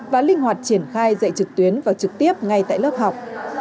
và linh hoạt triển khai dạy trực tuyến và trực tiếp ngay tại lớp học